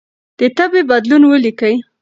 د تبه بدلون ولیکئ.